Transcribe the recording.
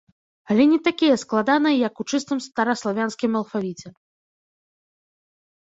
Але не такія складаныя, як у чыстым стараславянскім алфавіце.